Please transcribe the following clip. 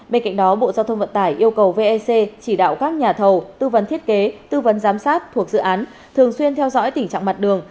bên cạnh đó bộ giao thông vận tải yêu cầu vec chỉ đạo các nhà thầu tư vấn thiết kế tư vấn giám sát thuộc dự án thường xuyên theo dõi tình trạng mặt đường